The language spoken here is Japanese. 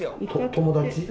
友達？